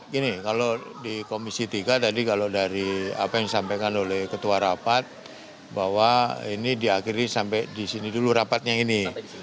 gini kalau di komisi tiga tadi kalau dari apa yang disampaikan oleh ketua rapat bahwa ini diakhiri sampai di sini dulu rapatnya ini